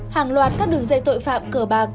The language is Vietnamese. hàng loạt các đường dây tội phạm cờ bạc